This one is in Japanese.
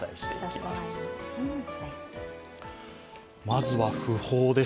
まずは訃報です。